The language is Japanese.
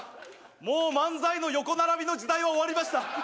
もう漫才の横並びの時代は終わりました